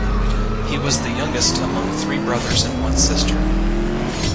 He was the youngest among three brothers and one sister.